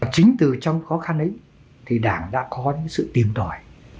chính từ trong khó khăn ấy thì đảng đã có những sự tìm tòi